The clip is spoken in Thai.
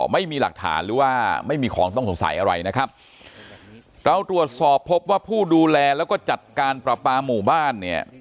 ไม่มีหลักฐานหรือว่าไม่มีของต้องสงสัยอะไรนะครับเราตรวจสอบพบว่าผู้ดูแลแล้วก็จัดการประปาหมู่บ้านเนี่ย